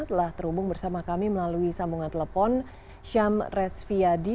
telah terhubung bersama kami melalui sambungan telepon syam resviadi